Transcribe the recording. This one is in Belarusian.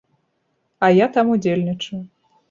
А я там удзельнічаю.